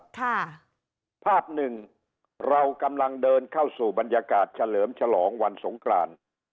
ภาพหนึ่งเรากำลังเดินเข้าสู่บรรยากาศเฉลิมฉลองวันสงกราน